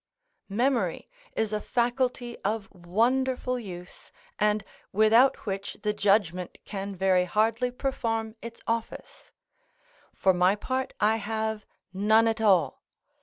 Memory is a faculty of wonderful use, and without which the judgment can very hardly perform its office: for my part I have none at all.